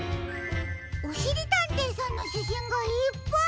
おしりたんていさんのしゃしんがいっぱい！